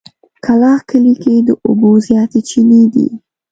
کلاخ کلي کې د اوبو زياتې چينې دي.